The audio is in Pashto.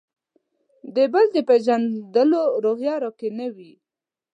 د «بل» د پېژندلو روحیه راکې نه وي.